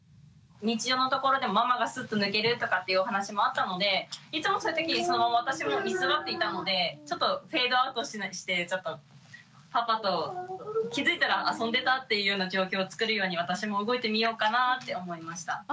日常のところでママがすっと抜けるとかっていうお話もあったのでいつもそういう時に私も居座っていたのでちょっとフェードアウトしてちょっとパパと気付いたら遊んでたっていうような状況をつくるように私も動いてみようかなぁって思いました。